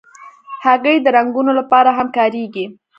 هګۍ د رنګونو لپاره هم کارېږي.